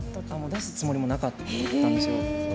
出すつもりもなかったんですよ。